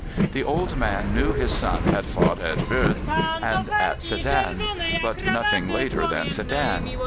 The old man knew his son had fought at Wörth and at Sedan, but nothing later than Sedan.